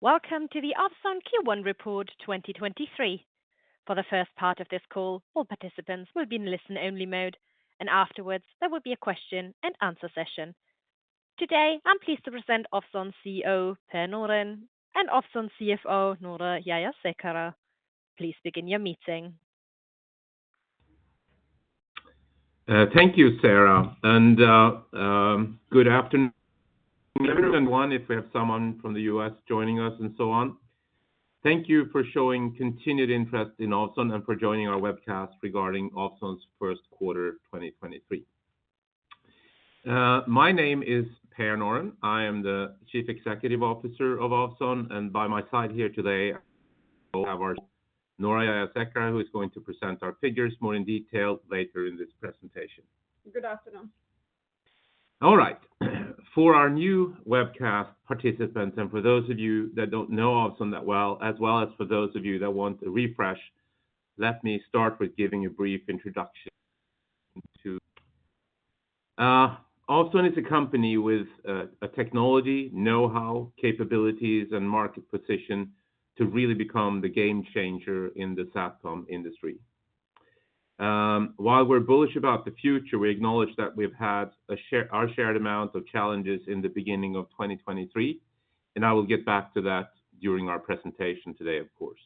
Welcome to the Ovzon Q1 report 2023. For the first part of this call, all participants will be in listen-only mode, and afterwards, there will be a question and answer session. Today, I'm pleased to present Ovzon CEO, Per Norén, and Ovzon CFO, Noora Jayasekara. Please begin your meeting. Thank you, Sarah. Good afternoon everyone. If we have someone from the U.S. joining us and so on. Thank you for showing continued interest in Ovzon and for joining our webcast regarding Ovzon's first quarter 2023. My name is Per Norén. I am the Chief Executive Officer of Ovzon, and by my side here today, we have our Noora Jayasekara, who is going to present our figures more in detail later in this presentation. Good afternoon. All right. For our new webcast participants and for those of you that don't know Ovzon that well, as well as for those of you that want a refresh, let me start with giving a brief introduction to. Ovzon is a company with a technology, know-how, capabilities, and market position to really become the game changer in the SATCOM industry. While we're bullish about the future, we acknowledge that we've had our shared amount of challenges in the beginning of 2023, I will get back to that during our presentation today, of course.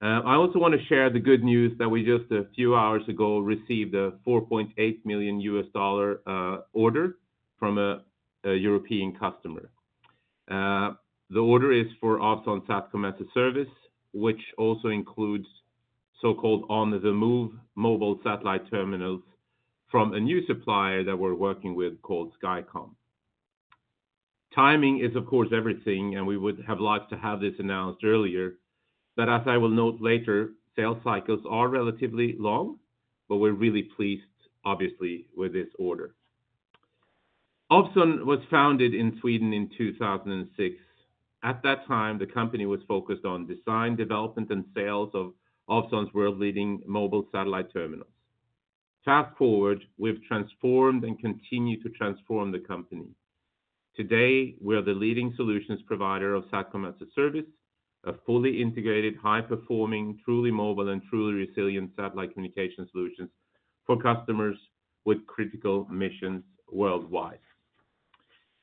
I also want to share the good news that we just a few hours ago received a $4.8 million order from a European customer. The order is for Ovzon SATCOM-as-a-Service, which also includes so-called On-The-Move mobile satellite terminals from a new supplier that we're working with called Skycom. Timing is of course everything. We would have liked to have this announced earlier. As I will note later, sales cycles are relatively long. We're really pleased, obviously, with this order. Ovzon was founded in Sweden in 2006. At that time, the company was focused on design, development, and sales of Ovzon's world-leading mobile satellite terminals. Fast-forward, we've transformed and continue to transform the company. Today, we are the leading solutions provider of SATCOM-as-a-Service, a fully integrated, high-performing, truly mobile and truly resilient satellite communication solutions for customers with critical missions worldwide.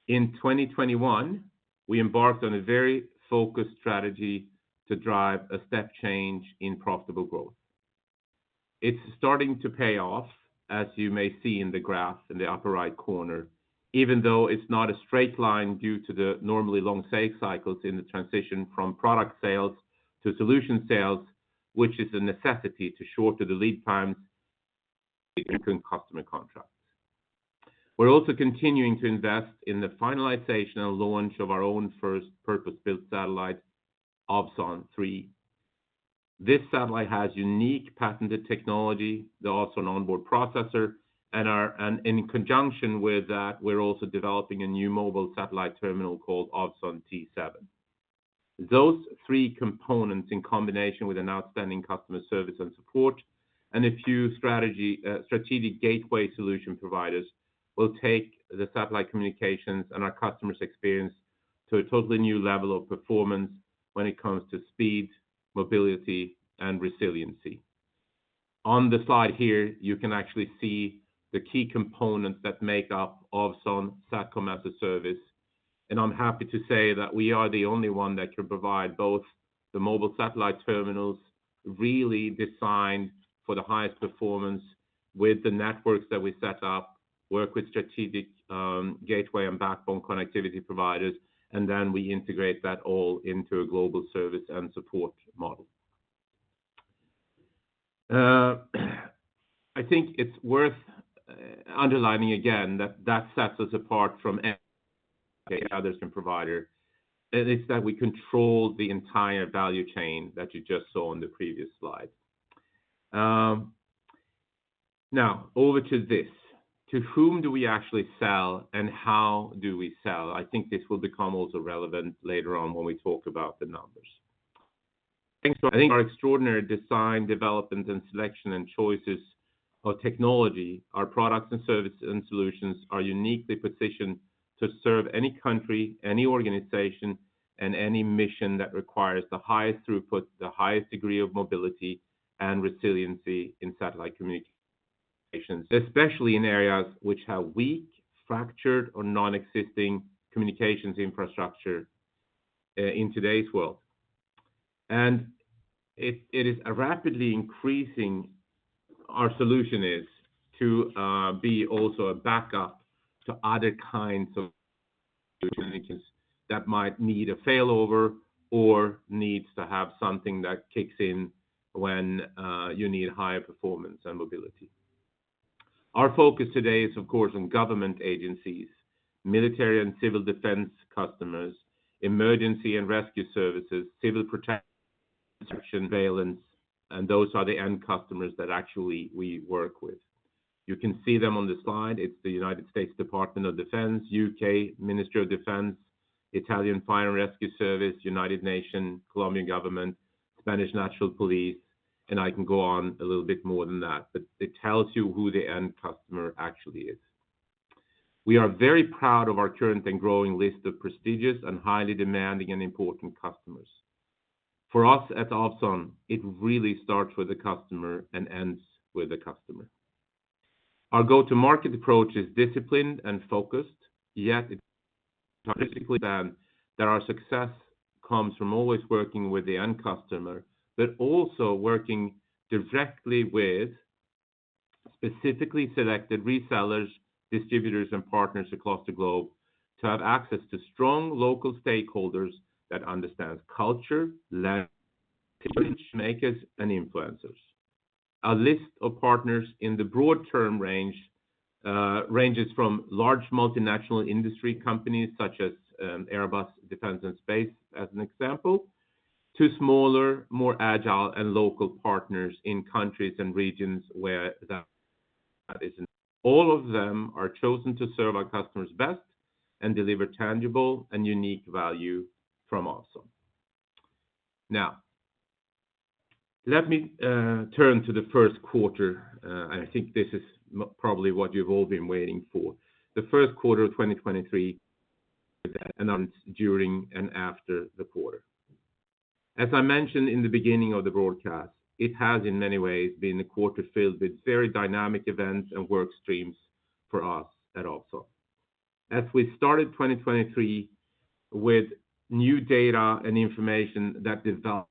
In 2021, we embarked on a very focused strategy to drive a step change in profitable growth. It's starting to pay off, as you may see in the graph in the upper right corner, even though it's not a straight line due to the normally long sales cycles in the transition from product sales to solution sales, which is a necessity to shorter the lead times between customer contracts. We're also continuing to invest in the finalization and launch of our own first purpose-built satellite, Ovzon 3. This satellite has unique patented technology, the Ovzon On-Board-Processor, and in conjunction with that, we're also developing a new mobile satellite terminal called Ovzon T7. Those three components, in combination with an outstanding customer service and support and a few strategic gateway solution providers, will take the satellite communications and our customers' experience to a totally new level of performance when it comes to speed, mobility, and resiliency. On the slide here, you can actually see the key components that make up Ovzon SATCOM-as-a-Service. I'm happy to say that we are the only one that can provide both the mobile satellite terminals really designed for the highest performance with the networks that we set up, work with strategic gateway and backbone connectivity providers, then we integrate that all into a global service and support model. I think it's worth underlining again that that sets us apart from every other provider, is that we control the entire value chain that you just saw on the previous slide. Now over to this. To whom do we actually sell and how do we sell? I think this will become also relevant later on when we talk about the numbers. Thanks to our extraordinary design, development, and selection and choices of technology, our products and service and solutions are uniquely positioned to serve any country, any organization, and any mission that requires the highest throughput, the highest degree of mobility and resiliency in satellite communications, especially in areas which have weak, fractured, or non-existing communications infrastructure, in today's world. Our solution is to be also a backup to other kinds of communications that might need a failover or needs to have something that kicks in when you need higher performance and mobility. Our focus today is, of course, on government agencies, military and civil defense customers, emergency and rescue services, civil protection, surveillance, and those are the end customers that actually we work with. You can see them on the slide. It's the United States Department of Defense, UK Ministry of Defence, Italian Fire and Rescue Service, United Nations, Colombian government, Spanish National Police. I can go on a little bit more than that, but it tells you who the end customer actually is. We are very proud of our current and growing list of prestigious and highly demanding and important customers. For us at Ovzon, it really starts with the customer and ends with the customer. Our go-to-market approach is disciplined and focused, yet it's statistically that our success comes from always working with the end customer, but also working directly with specifically selected resellers, distributors, and partners across the globe to have access to strong local stakeholders that understand culture, language, makers, and influencers. Our list of partners in the broad term range ranges from large multinational industry companies such as Airbus Defence and Space, as an example, to smaller, more agile and local partners in countries and regions where that is. All of them are chosen to serve our customers best and deliver tangible and unique value from Ovzon. Let me turn to the first quarter. I think this is probably what you've all been waiting for. The first quarter of 2023 that announced during and after the quarter. As I mentioned in the beginning of the broadcast, it has in many ways been a quarter filled with very dynamic events and work streams for us at Ovzon. We started 2023 with new data and information that developed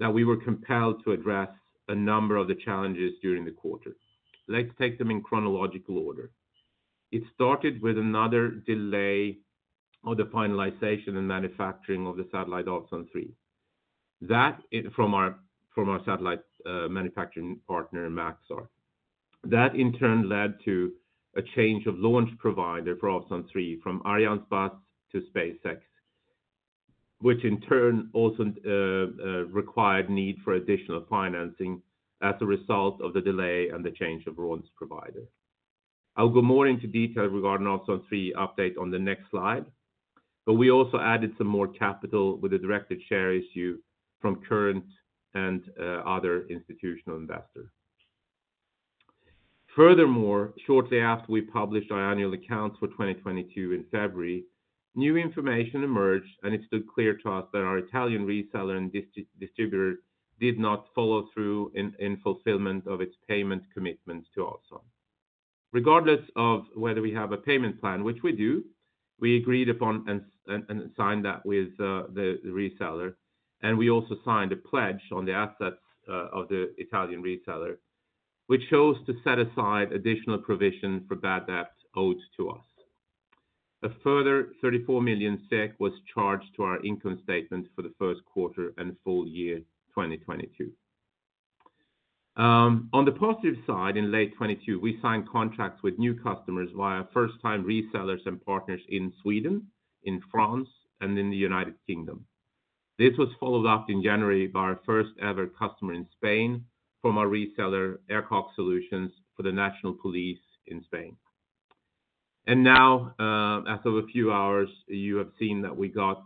that we were compelled to address a number of the challenges during the quarter. Let's take them in chronological order. It started with another delay of the finalization and manufacturing of the satellite Ovzon 3. That from our satellite manufacturing partner, Maxar. That, in turn, led to a change of launch provider for Ovzon 3 from Arianespace to SpaceX, which in turn also required need for additional financing as a result of the delay and the change of launch provider. I'll go more into detail regarding Ovzon 3 update on the next slide, but we also added some more capital with a directed share issue from current and other institutional investors. Furthermore, shortly after we published our annual accounts for 2022 in February, new information emerged, and it stood clear to us that our Italian reseller and distributor did not follow through in fulfillment of its payment commitments to Ovzon. Regardless of whether we have a payment plan, which we do, we agreed upon and signed that with the reseller, and we also signed a pledge on the assets of the Italian reseller, which shows to set aside additional provision for bad debts owed to us. A further 34 million SEK was charged to our income statement for the first quarter and full year, 2022. On the positive side, in late 2022, we signed contracts with new customers via first-time resellers and partners in Sweden, in France, and in the United Kingdom. This was followed up in January by our first-ever customer in Spain from a reseller, Aicox Soluciones, for the Spanish National Police. Now, as of a few hours, you have seen that we got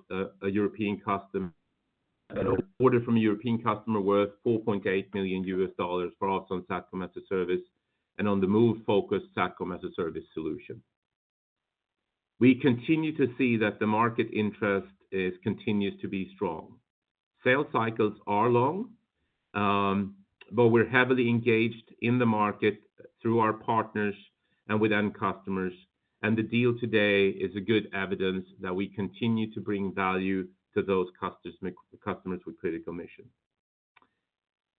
an order from a European customer worth $4.8 million for Ovzon SATCOM-as-a-Service and On-The-Move-focused SATCOM-as-a-Service solution. We continue to see that the market interest continues to be strong. Sales cycles are long, but we're heavily engaged in the market through our partners and with end customers, the deal today is good evidence that we continue to bring value to those customers with critical mission.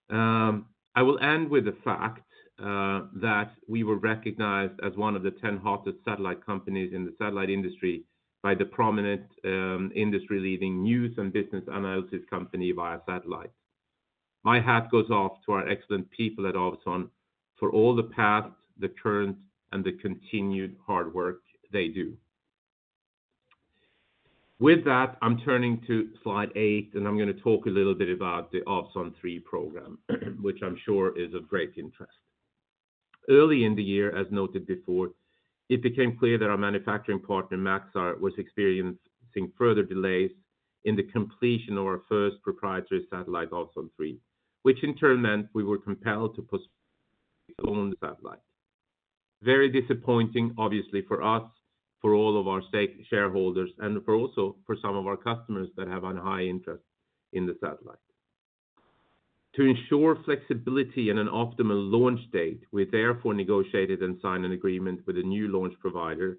I will end with the fact that we were recognized as one of the 10 hottest satellite companies in the satellite industry by the prominent, industry-leading news and business analysis company Via Satellite. My hat goes off to our excellent people at Ovzon for all the past, the current, and the continued hard work they do. With that, I'm turning to slide eight, and I'm going to talk a little bit about the Ovzon Three program, which I'm sure is of great interest. Early in the year, as noted before, it became clear that our manufacturing partner, Maxar, was experiencing further delays in the completion of our first proprietary satellite, Ovzon Three, which in turn meant we were compelled to postpone the satellite. Very disappointing, obviously, for us, for all of our shareholders, and for also for some of our customers that have on high interest in the satellite. To ensure flexibility and an optimal launch date, we therefore negotiated and signed an agreement with a new launch provider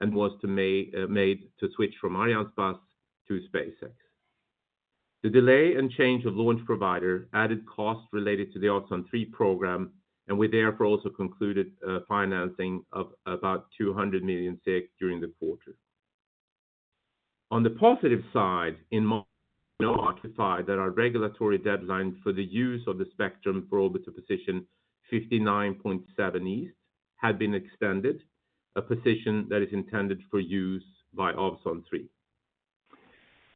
and was made to switch from Arianespace to SpaceX. The delay and change of launch provider added costs related to the Ovzon 3 program. We therefore also concluded financing of about 200 million during the quarter. On the positive side, in March, we were notified that our regulatory deadline for the use of the spectrum for orbital position 59.7 east had been extended, a position that is intended for use by Ovzon 3.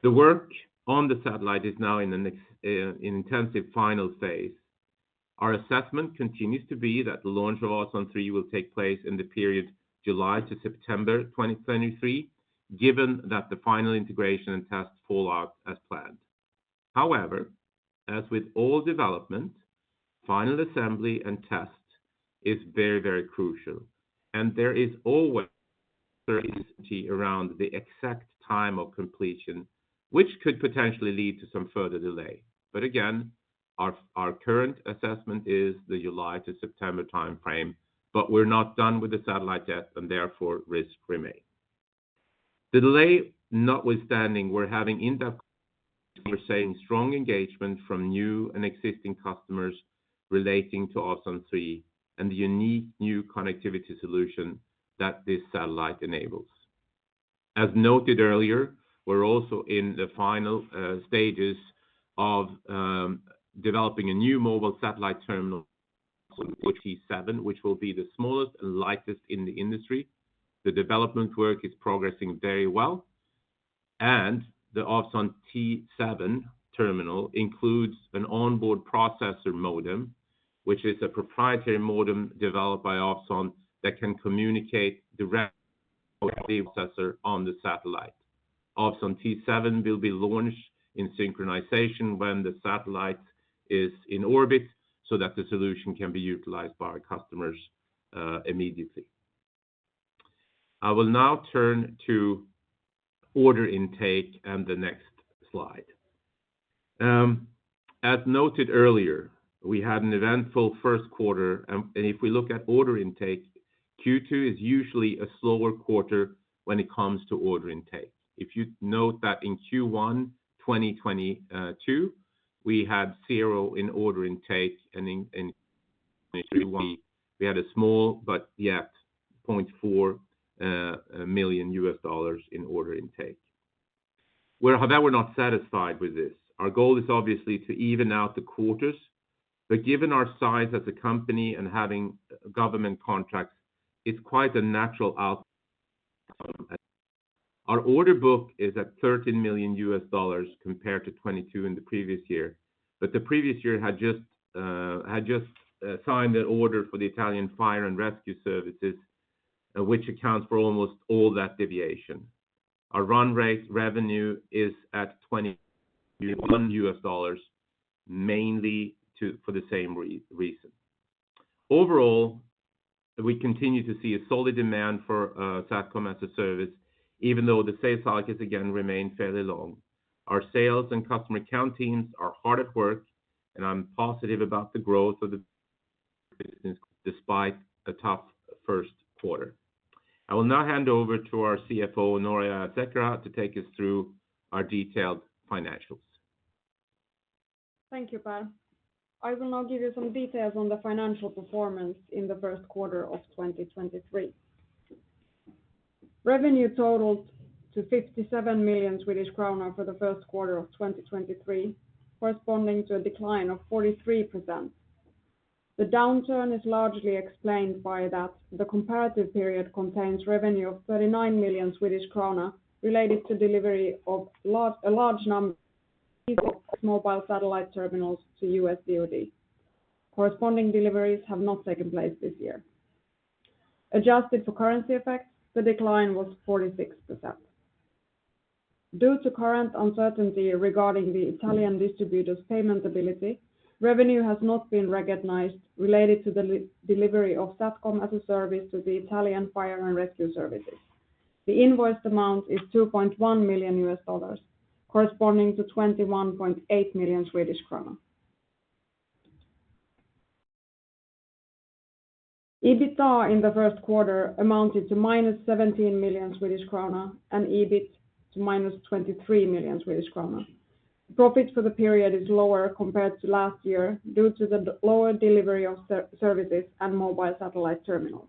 The work on the satellite is now in intensive final phase. Our assessment continues to be that the launch of O3 will take place in the period July to September 2023, given that the final integration and tests fall out as planned. As with all development, final assembly and test is very crucial, and there is always certainty around the exact time of completion, which could potentially lead to some further delay. Again, our current assessment is the July to September time frame, but we're not done with the satellite yet, and therefore risks remain. The delay notwithstanding, we're having in-depth conversations, strong engagement from new and existing customers relating to O3 and the unique new connectivity solution that this satellite enables. As noted earlier, we're also in the final stages of developing a new mobile satellite terminal, O3 T7, which will be the smallest and lightest in the industry. The development work is progressing very well. The O3 T7 terminal includes an onboard processor modem, which is a proprietary modem developed by Ovzon that can communicate directly with the processor on the satellite. O3 T7 will be launched in synchronization when the satellite is in orbit so that the solution can be utilized by our customers immediately. I will now turn to order intake and the next slide. As noted earlier, we had an eventful first quarter. If we look at order intake, Q2 is usually a slower quarter when it comes to order intake. If you note that in Q1 2022, we had zero in order intake and in Q3 1, we had a small but yet $0.4 million in order intake. However, we're not satisfied with this. Our goal is obviously to even out the quarters, but given our size as a company and having government contracts, it's quite a natural outcome. Our order book is at $13 million compared to $22 in the previous year. The previous year had just signed an order for the Italian Fire and Rescue Service, which accounts for almost all that deviation. Our run rate revenue is at $21, mainly for the same reason. Overall, we continue to see a solid demand for SATCOM-as-a-Service, even though the sales cycles again remain fairly long. Our sales and customer account teams are hard at work, and I'm positive about the growth of the business despite a tough first quarter. I will now hand over to our CFO, Noora Jayasekara, to take us through our detailed financials. Thank you, Per. I will now give you some details on the financial performance in the first quarter of 2023. Revenue totaled to 57 million Swedish kronor for the first quarter of 2023, corresponding to a decline of 43%. The downturn is largely explained by that the comparative period contains revenue of 39 million Swedish krona related to delivery of a large number of mobile satellite terminals to U.S. DoD. Corresponding deliveries have not taken place this year. Adjusted for currency effects, the decline was 46%. Due to current uncertainty regarding the Italian distributor's payment ability, revenue has not been recognized related to the de-delivery of SATCOM-as-a-Service to the Italian National Fire and Rescue Service. The invoiced amount is $2.1 million, corresponding to SEK 21.8 million. EBITDA in the first quarter amounted to -17 million Swedish krona and EBIT to -23 million Swedish krona. Profit for the period is lower compared to last year due to the lower delivery of services and mobile satellite terminals.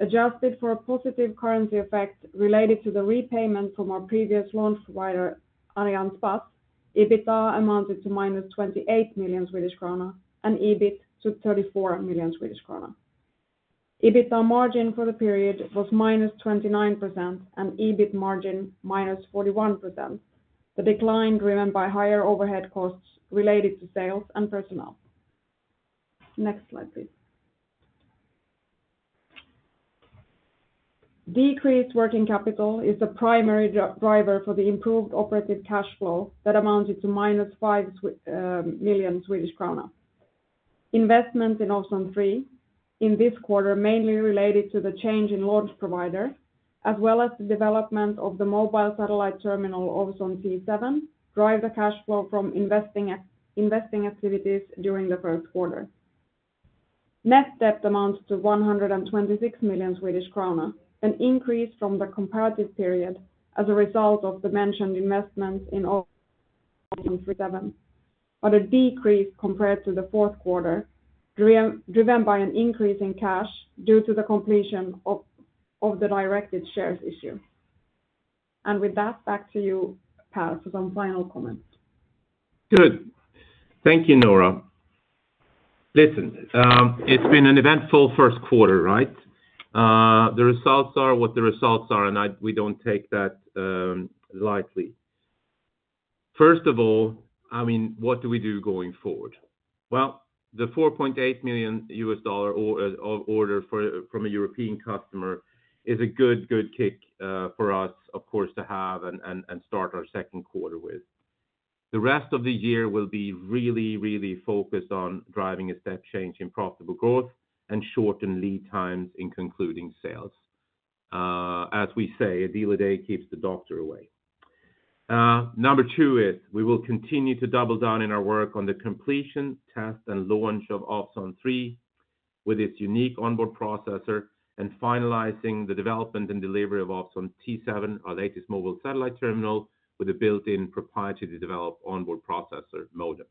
Adjusted for a positive currency effect related to the repayment from our previous launch provider, Arianespace, EBITDA amounted to -28 million Swedish krona and EBIT to 34 million Swedish krona. EBITDA margin for the period was -29% and EBIT margin -41%, the decline driven by higher overhead costs related to sales and personnel. Next slide, please. Decreased working capital is a primary driver for the improved operative cash flow that amounted to -5 million Swedish krona. Investment in O3 in this quarter mainly related to the change in launch provider, as well as the development of the mobile satellite terminal O3 T7, drive the cash flow from investing activities during the first quarter. Net debt amounts to 126 million Swedish krona, an increase from the comparative period as a result of the mentioned investments in O3 T7, but a decrease compared to the fourth quarter, driven by an increase in cash due to the completion of the directed share issue. With that, back to you, Per, for some final comments. Good. Thank you, Noora. Listen, it's been an eventful first quarter, right? The results are what the results are, and we don't take that lightly. First of all, I mean, what do we do going forward? Well, the $4.8 million order for, from a European customer is a good kick for us, of course, to have and start our second quarter with. The rest of the year will be really focused on driving a step change in profitable growth and shorten lead times in concluding sales. As we say, a deal a day keeps the doctor away. Number two is we will continue to double down in our work on the completion, test, and launch of Ovzon 3 with its unique onboard processor and finalizing the development and delivery of Ovzon T7, our latest mobile satellite terminal with a built-in proprietary developed onboard processor modem.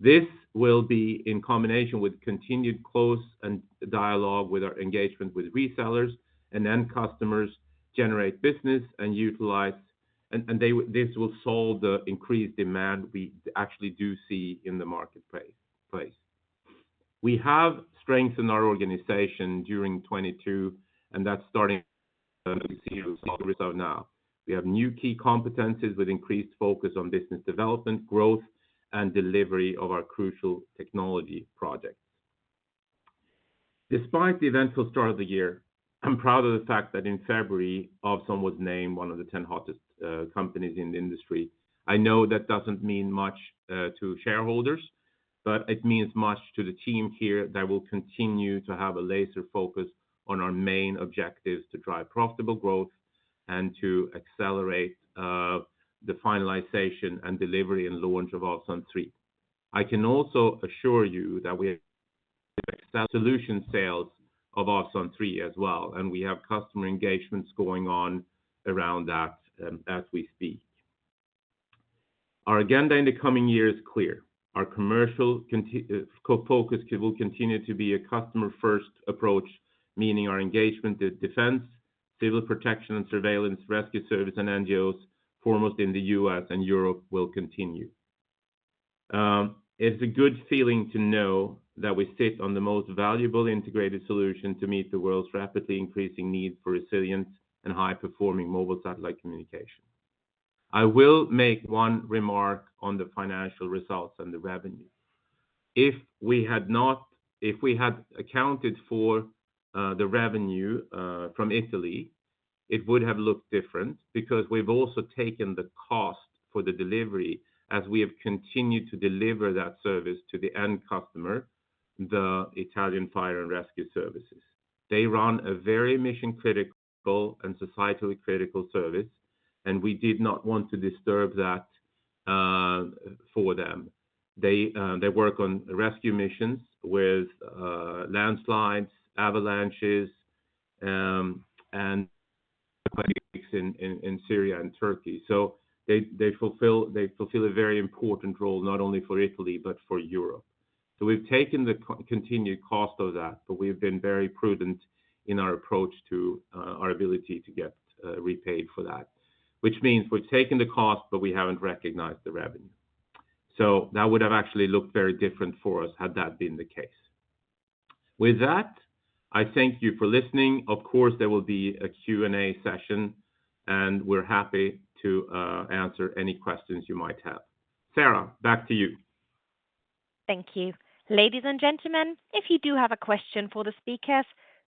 This will be in combination with continued close and dialogue with our engagement with resellers and end customers, generate business and utilize. This will solve the increased demand we actually do see in the marketplace. We have strengthened our organization during 2022 and that's starting to see results now. We have new key competencies with increased focus on business development growth and delivery of our crucial technology projects. Despite the eventful start of the year, I'm proud of the fact that in February, Ovzon was named one of the 10 hottest companies in the industry. I know that doesn't mean much to shareholders, but it means much to the team here that will continue to have a laser focus on our main objectives to drive profitable growth and to accelerate the finalization and delivery and launch of Ovzon 3. I can also assure you that we have solution sales of Ovzon 3 as well, and we have customer engagements going on around that as we speak. Our agenda in the coming year is clear. Our commercial focus will continue to be a customer-first approach, meaning our engagement with defense, civil protection and surveillance, rescue service, and NGOs, foremost in the U.S. and Europe, will continue. It's a good feeling to know that we sit on the most valuable integrated solution to meet the world's rapidly increasing need for resilient and high-performing mobile satellite communication. I will make one remark on the financial results and the revenue. If we had accounted for the revenue from Italy, it would have looked different because we've also taken the cost for the delivery as we have continued to deliver that service to the end customer, the Italian National Fire and Rescue Service. They run a very mission-critical and societally critical service, and we did not want to disturb that for them. They work on rescue missions with landslides, avalanches, and earthquakes in Syria and Turkey. They fulfill a very important role, not only for Italy, but for Europe. We've taken the continued cost of that, but we've been very prudent in our approach to our ability to get repaid for that. Which means we've taken the cost, but we haven't recognized the revenue. That would have actually looked very different for us had that been the case. With that, I thank you for listening. Of course, there will be a Q&A session, and we're happy to answer any questions you might have. Sarah, back to you. Thank you. Ladies and gentlemen, if you do have a question for the speakers,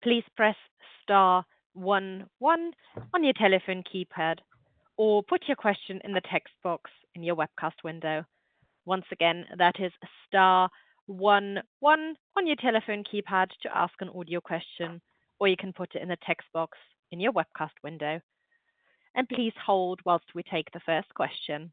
please press star one one on your telephone keypad or put your question in the text box in your webcast window. Once again, that is star one one on your telephone keypad to ask an audio question, or you can put it in the text box in your webcast window. Please hold while we take the first question.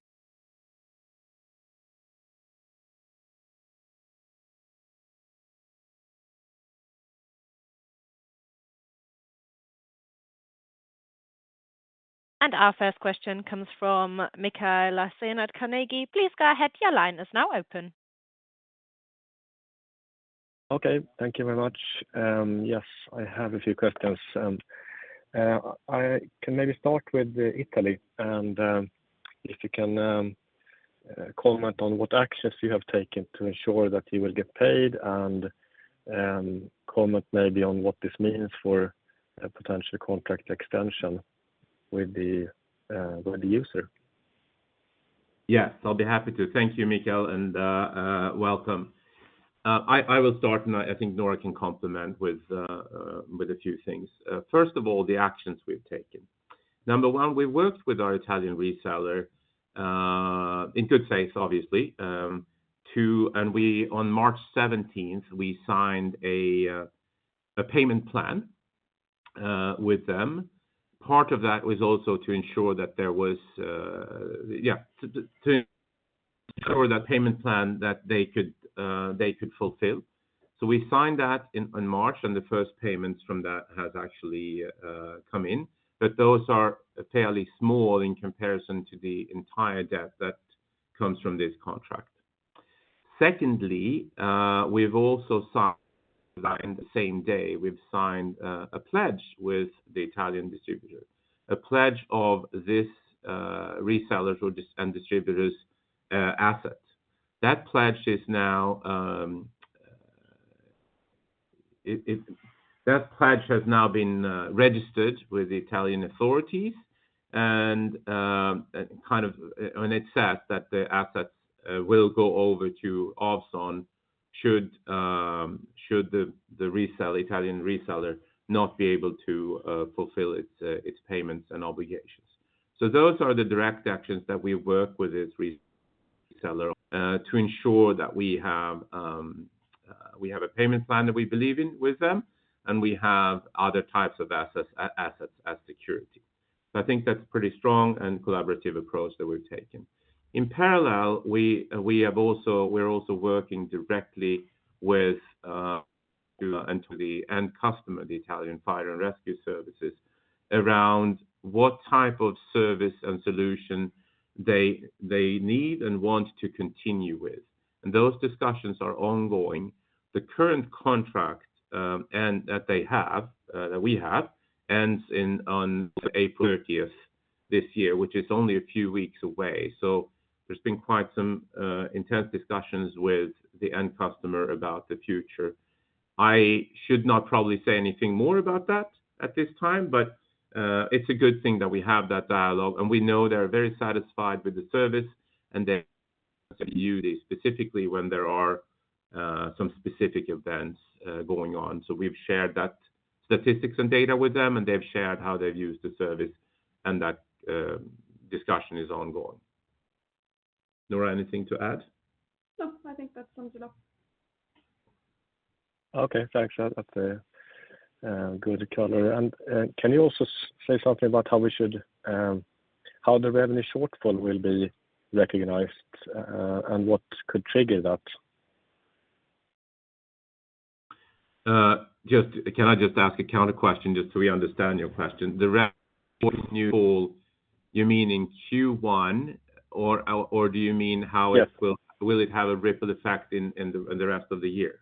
Our first question comes from Mikael Laseen at Carnegie. Please go ahead. Your line is now open. Okay. Thank you very much. Yes, I have a few questions. I can maybe start with Italy and if you can comment on what actions you have taken to ensure that you will get paid and comment maybe on what this means for a potential contract extension with the user? Yes, I'll be happy to. Thank you, Mikael, and welcome. I will start, and I think Noora can complement with a few things. First of all, the actions we've taken. Number one, we worked with our Italian reseller in good faith, obviously, on March 17th, we signed a payment plan with them. Part of that was also to ensure that there was, yeah, to ensure that payment plan that they could fulfill. We signed that in March, and the first payments from that has actually come in. Those are fairly small in comparison to the entire debt that comes from this contract. Secondly, we've also signed, in the same day, we've signed a pledge with the Italian distributor. A pledge of this resellers or and distributors assets. That pledge is now that pledge has now been registered with the Italian authorities and it's said that the assets will go over to Ovzon should the reseller, Italian reseller not be able to fulfill its payments and obligations. Those are the direct actions that we work with its reseller to ensure that we have a payment plan that we believe in with them, and we have other types of assets as security. I think that's pretty strong and collaborative approach that we've taken. In parallel, we're also working directly with and to the end customer, the Italian National Fire and Rescue Service, around what type of service and solution they need and want to continue with. Those discussions are ongoing. The current contract and that they have that we have ends on April thirtieth this year, which is only a few weeks away. There's been quite some intense discussions with the end customer about the future. I should not probably say anything more about that at this time, but it's a good thing that we have that dialogue, and we know they're very satisfied with the service and they view this specifically when there are some specific events going on. We've shared that statistics and data with them, and they've shared how they've used the service and that discussion is ongoing. Nora, anything to add? No, I think that sums it up. Okay. Thanks. That's a good color. Yeah. Can you also say something about how we should, how the revenue shortfall will be recognized, and what could trigger that? Can I just ask a counter question, just so we understand your question? The revenue call, you mean in Q1 or do you mean how it-? Yes. Will it have a ripple effect in the rest of the year?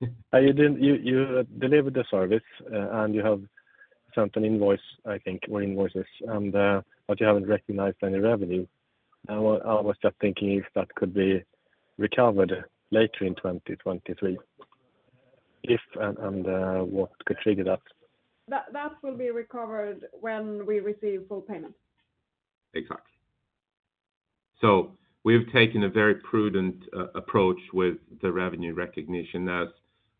You delivered the service, and you have sent an invoice, I think, or invoices and, but you haven't recognized any revenue. I was just thinking if that could be recovered later in 2023, if and, what could trigger that. That will be recovered when we receive full payment. Exactly. We have taken a very prudent approach with the revenue recognition, as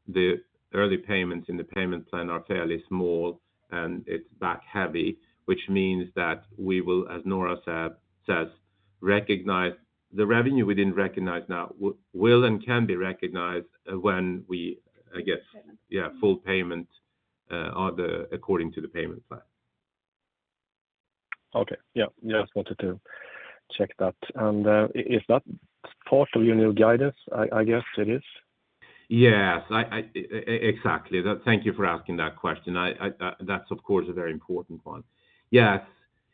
the early payments in the payment plan are fairly small and it's back heavy, which means that we will, as Nora says, recognize the revenue we didn't recognize now will and can be recognized when we, I guess. Full payment. Yeah, full payment, or the according to the payment plan. Okay. Yeah. Yeah. Just wanted to check that. Is that part of your new guidance? I guess it is? Yes. Exactly. Thank you for asking that question. That's of course a very important one. Yes,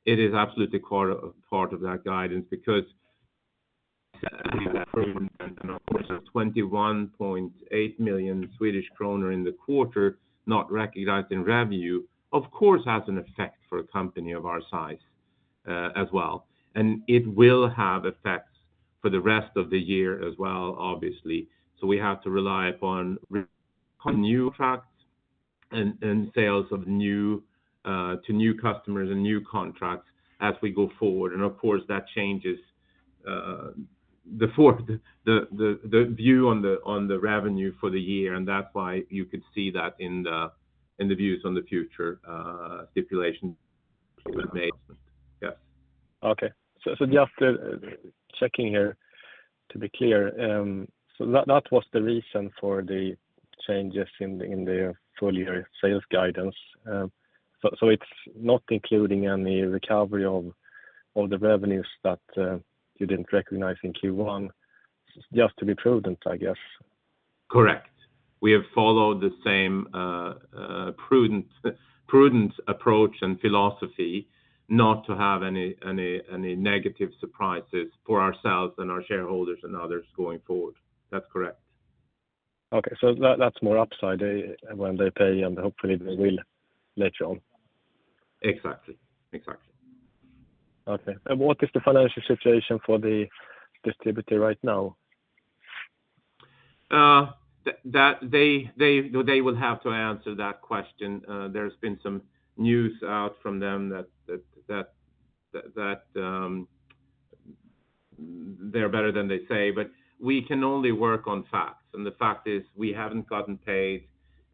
it is absolutely part of that guidance because of 21.8 million Swedish kronor in the quarter, not recognized in revenue, of course, has an effect for a company of our size as well. And it will have effects for the rest of the year as well, obviously. So we have to rely upon new contracts and sales of new to new customers and new contracts as we go forward. And of course, that changes the view on the revenue for the year, and that's why you could see that in the views on the future stipulation we have made. Yes. Okay. Just checking here to be clear, so that was the reason for the changes in the full year sales guidance. It's not including any recovery of the revenues that you didn't recognize in Q1, just to be prudent, I guess. Correct. We have followed the same prudent approach and philosophy not to have any negative surprises for ourselves and our shareholders and others going forward. That's correct. Okay. That's more upside when they pay, and hopefully they will later on. Exactly. Exactly. What is the financial situation for the distributor right now? They will have to answer that question. There's been some news out from them that they're better than they say, but we can only work on facts. The fact is we haven't gotten paid,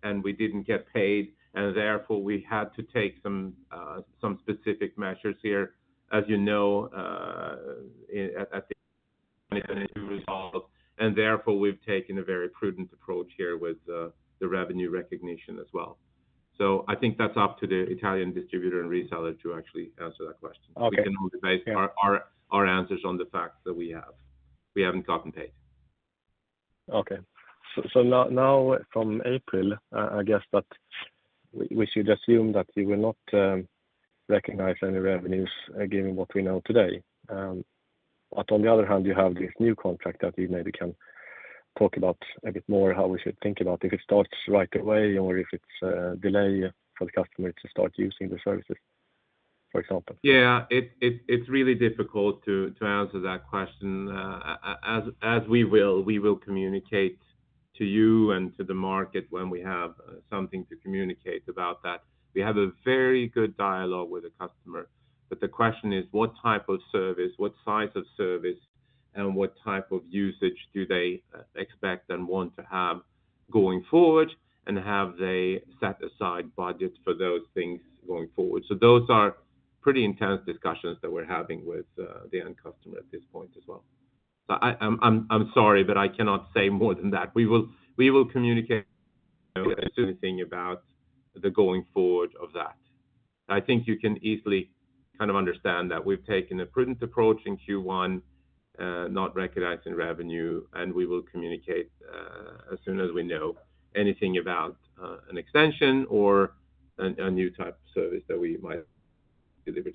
and we didn't get paid, and therefore, we had to take some specific measures here, as you know, at the resolve. Therefore, we've taken a very prudent approach here with the revenue recognition as well. I think that's up to the Italian distributor and reseller to actually answer that question. Okay. We can only base our answers on the facts that we have. We haven't gotten paid. Okay. Now from April, I guess that we should assume that you will not recognize any revenues given what we know today. On the other hand, you have this new contract that you maybe can talk about a bit more, how we should think about if it starts right away or if it's a delay for the customer to start using the services. Yeah, it's really difficult to answer that question. As we will communicate to you and to the market when we have something to communicate about that. We have a very good dialogue with the customer, but the question is what type of service, what size of service, and what type of usage do they expect and want to have going forward, and have they set aside budgets for those things going forward? Those are pretty intense discussions that we're having with the end customer at this point as well. I'm sorry, but I cannot say more than that. We will communicate about the going forward of that. I think you can easily kind of understand that we've taken a prudent approach in Q1, not recognizing revenue, and we will communicate, as soon as we know anything about an extension or a new type of service that we might deliver.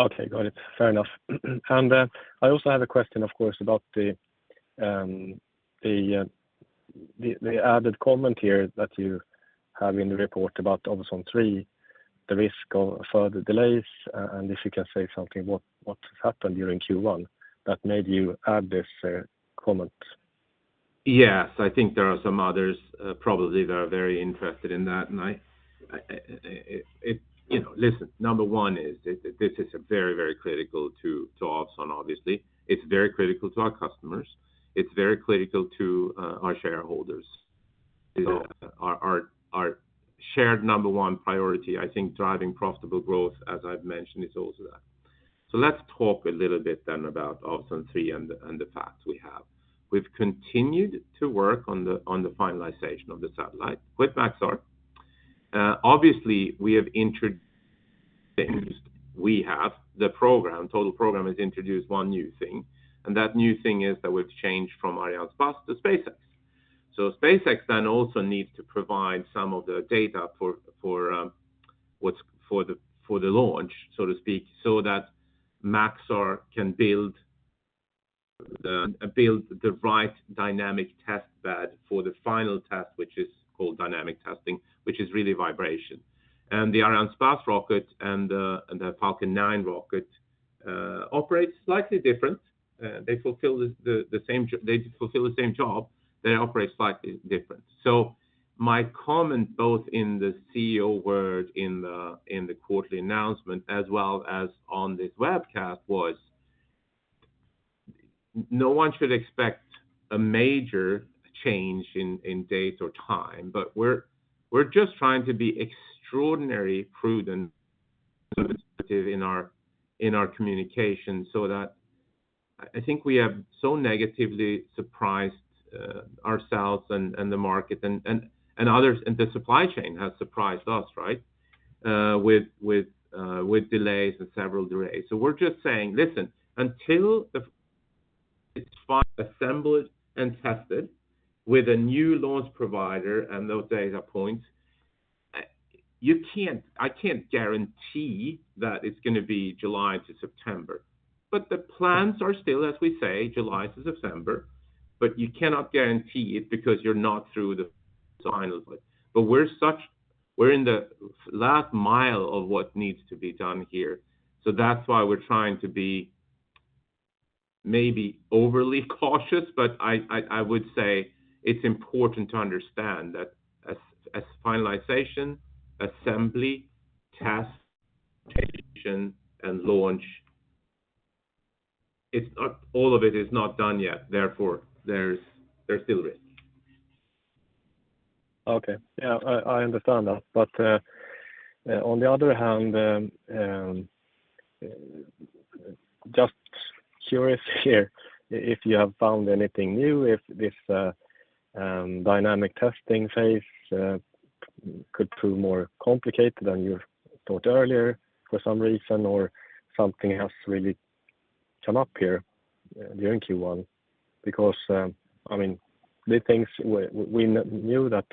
Okay. Got it. Fair enough. I also have a question, of course, about the added comment here that you have in the report about Ovzon 3, the risk of further delays, and if you can say something, what has happened during Q1 that made you add this comment? Yes. I think there are some others, probably that are very interested in that. I, you know. Listen, number one is this is very critical to Ovzon obviously. It's very critical to our customers. It's very critical to our shareholders. So. Our shared number one priority, I think driving profitable growth, as I've mentioned, is also that. Let's talk a little bit then about Ovzon 3 and the path we have. We've continued to work on the finalization of the satellite with Maxar. Obviously we have introduced, the program, total program has introduced one new thing, and that new thing is that we've changed from Arianespace to SpaceX. SpaceX then also needs to provide some of the data for the launch, so to speak, so that Maxar can build the right dynamic test bed for the final test, which is called dynamic testing, which is really vibration. The Arianespace rocket and the Falcon 9 rocket operate slightly different. They fulfill the same job, they operate slightly different. My comment both in the CEO's Word in the quarterly announcement as well as on this webcast was, no one should expect a major change in date or time, but we're just trying to be extraordinarily prudent in our communication so that. I think we have so negatively surprised ourselves and the market and others, and the supply chain has surprised us, right? With delays and several delays. We're just saying, "Listen, until the assembled and tested with a new launch provider and those data points, you can't, I can't guarantee that it's gonna be July to September." The plans are still, as we say, July to September, but you cannot guarantee it because you're not through. We're such, we're in the last mile of what needs to be done here. That's why we're trying to be maybe overly cautious, but I would say it's important to understand that as finalization, assembly, test, and launch, it's not, all of it is not done yet, therefore, there's still risk. Okay. Yeah. I understand that. On the other hand, just curious here if you have found anything new, if this dynamic testing phase could prove more complicated than you thought earlier for some reason, or something has really come up here during Q1 because, I mean, the things we knew that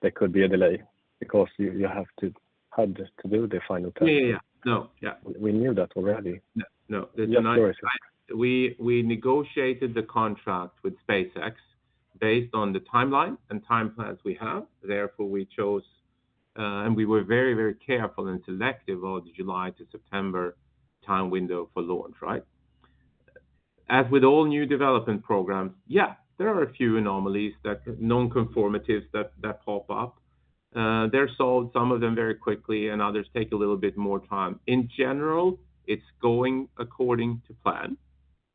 there could be a delay because you have to have this to do the final test. Yeah. Yeah. No. Yeah. We knew that already. No. No. Just curious. We negotiated the contract with SpaceX based on the timeline and time plans we have, therefore, we chose and we were very careful and selective of the July to September time window for launch, right? As with all new development programs, yeah, there are a few anomalies that, non-conformities that pop up. They're solved, some of them very quickly, and others take a little bit more time. In general, it's going according to plan,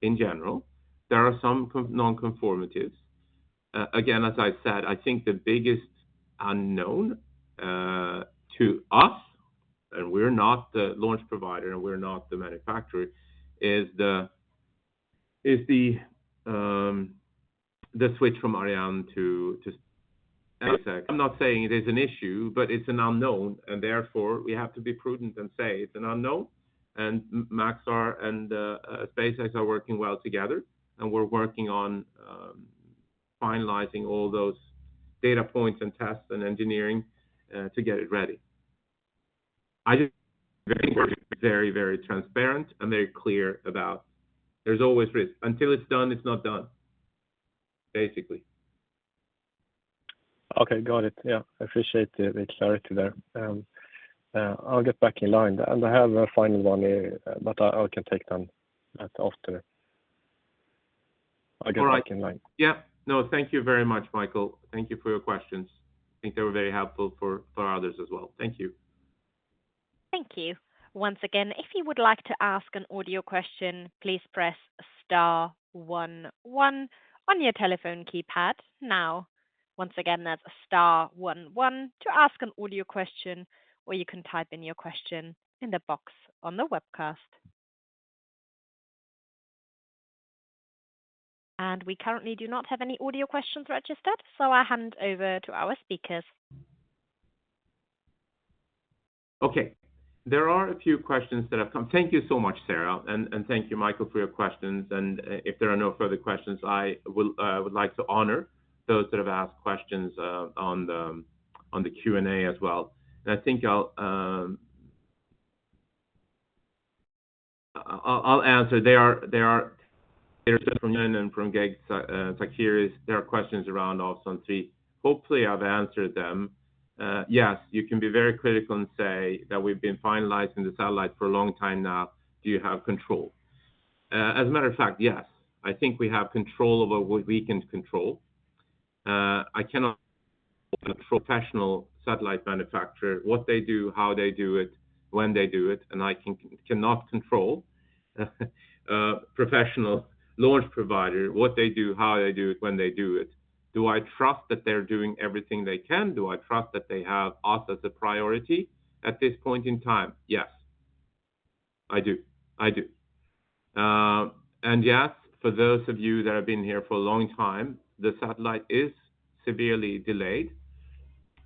in general. There are some non-conformities. Again, as I said, I think the biggest unknown to us, and we're not the launch provider and we're not the manufacturer, is the switch from Arian-SpaceX. I'm not saying it is an issue, but it's an unknown, and therefore, we have to be prudent and say it's an unknown. and SpaceX are working well together and we're working on finalizing all those data points and tests and engineering to get it ready. I just very, very transparent and very clear about there's always risk. Until it's done, it's not done, basically. Okay, got it. Yeah, I appreciate the clarity there. I'll get back in line. I have a final one here, but I can take them after. I get back in line. All right. Yeah. No, thank you very much, Michael. Thank you for your questions. I think they were very helpful for others as well. Thank you. Thank you. Once again, if you would like to ask an audio question, please press star one one on your telephone keypad now. Once again, that's star one one to ask an audio question, or you can type in your question in the box on the webcast. We currently do not have any audio questions registered, so I'll hand over to our speakers. Okay. There are a few questions that have come. Thank you so much, Sarah. Thank you, Michael, for your questions. If there are no further questions, I will would like to honor those that have asked questions on the Q&A as well. I think I'll answer. There are from Men and from Geig Sa-Sakiris, there are questions around Ovzon 3. Hopefully, I've answered them. Yes, you can be very critical and say that we've been finalizing the satellite for a long time now. Do you have control? As a matter of fact, yes. I think we have control over what we can control. I cannot professional satellite manufacturer, what they do, how they do it, when they do it. I cannot control professional launch provider, what they do, how they do it, when they do it. Do I trust that they're doing everything they can? Do I trust that they have us as a priority at this point in time? Yes. I do. Yes, for those of you that have been here for a long time, the satellite is severely delayed.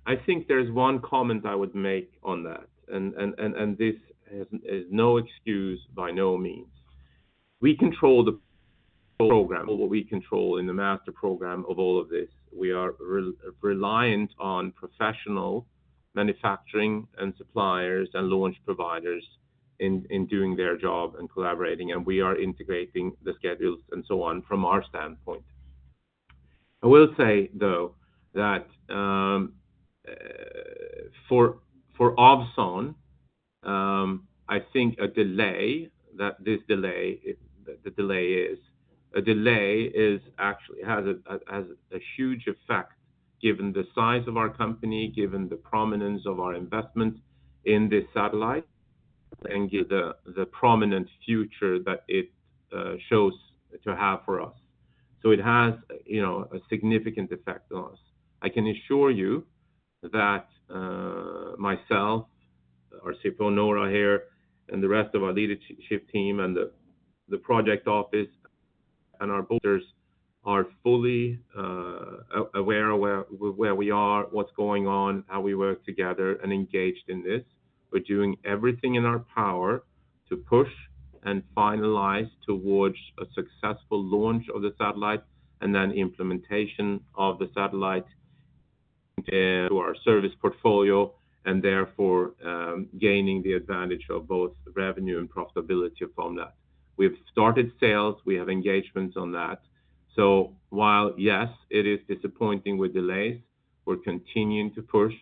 I think there's one comment I would make on that, and this is no excuse by no means. We control the program, what we control in the master program of all of this. We are re-reliant on professional manufacturing and suppliers and launch providers in doing their job and collaborating. We are integrating the schedules and so on from our standpoint. I will say, though, that for Ovzon, I think a delay, that this delay is, the delay is, a delay is actually has a huge effect given the size of our company, given the prominence of our investment in this satellite, and give the prominent future that it shows to have for us. It has, you know, a significant effect on us. I can assure you that myself, our CFO, Nora, here, and the rest of our leadership team and the project office and our builders are fully aware of where we are, what's going on, how we work together, and engaged in this. We're doing everything in our power to push and finalize towards a successful launch of the satellite and then implementation of the satellite to our service portfolio, and therefore, gaining the advantage of both revenue and profitability from that. We have started sales, we have engagements on that. While, yes, it is disappointing with delays, we're continuing to push,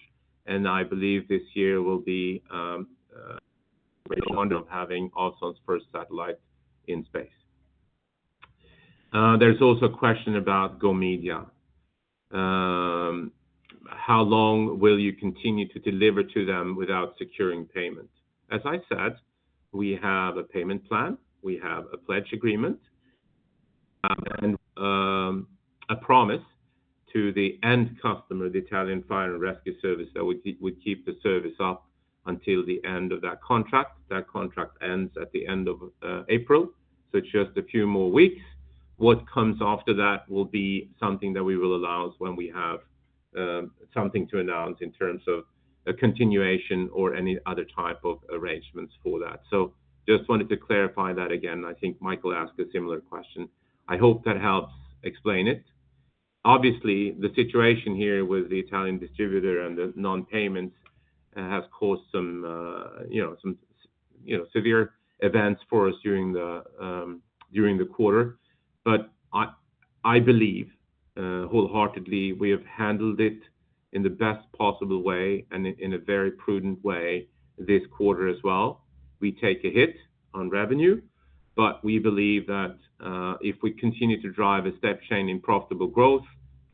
and I believe this year will be the launch of having Ovzon's first satellite in space. There's also a question about Gomedia. How long will you continue to deliver to them without securing payment? As I said, we have a payment plan, we have a pledge agreement, and a promise to the end customer, the Italian Fire and Rescue Service, that we keep the service up until the end of that contract. That contract ends at the end of April, it's just a few more weeks. What comes after that will be something that we will announce when we have something to announce in terms of a continuation or any other type of arrangements for that. Just wanted to clarify that again. I think Michael asked a similar question. I hope that helps explain it. Obviously, the situation here with the Italian distributor and the non-payments has caused some, you know, some, you know, severe events for us during the quarter. I believe wholeheartedly, we have handled it in the best possible way and in a very prudent way this quarter as well. We take a hit on revenue, we believe that if we continue to drive a step change in profitable growth,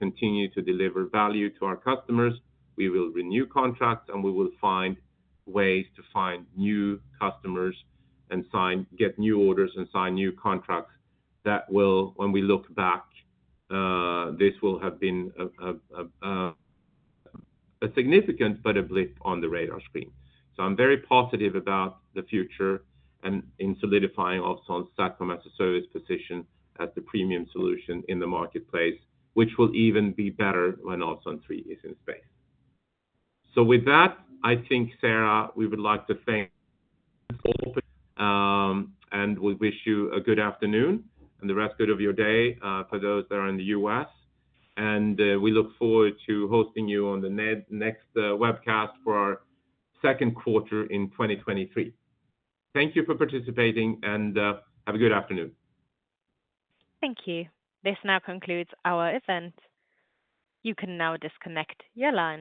continue to deliver value to our customers, we will renew contracts, and we will find ways to find new customers and sign, get new orders and sign new contracts that will, when we look back, this will have been a significant but a blip on the radar screen. I'm very positive about the future and in solidifying Ovzon's SATCOM-as-a-Service position as the premium solution in the marketplace, which will even be better when Ovzon 3 is in space. With that, I think, Sarah, we would like to thank you all. We wish you a good afternoon and the rest of your day for those that are in the U.S. We look forward to hosting you on the next webcast for our second quarter in 2023. Thank you for participating, and have a good afternoon. Thank you. This now concludes our event. You can now disconnect your line.